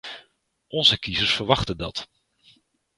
Onze kiezers verwachten dat.